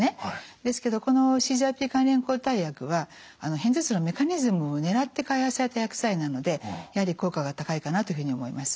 ですけどこのＣＧＲＰ関連抗体薬は片頭痛のメカニズムを狙って開発された薬剤なのでやはり効果が高いかなというふうに思います。